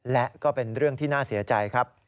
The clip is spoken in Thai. และก็เป็นเรื่องที่น่าเสียใจครับ